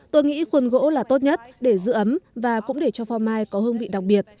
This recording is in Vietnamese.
tôi nghĩ khuôn gỗ là tốt nhất để giữ ấm và cũng để cho pho mai có hương vị đặc biệt